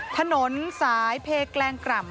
ถนนสายเพแกลงกร่ำ